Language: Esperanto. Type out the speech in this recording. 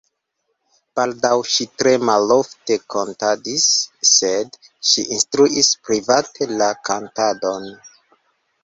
Baldaŭ ŝi tre malofte kantadis, sed ŝi instruis private la kantadon.